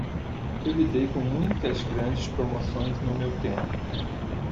Eu lidei com muitas grandes promoções no meu tempo.